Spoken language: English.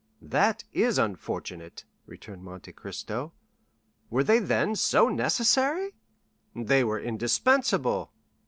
"That is unfortunate," returned Monte Cristo. "Were they, then, so necessary?" "They were indispensable."